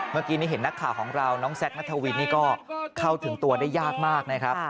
เมื่อกี้นี่เห็นนักข่าวของเราน้องแซคนัทวินนี่ก็เข้าถึงตัวได้ยากมากนะครับ